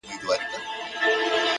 ه بيا دي ږغ کي يو عالم غمونه اورم!!